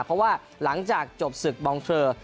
เพราะว่าหลังจากจบศึกบองเทอร์